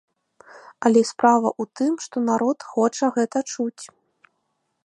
Але справа ў тым, што народ хоча гэта чуць.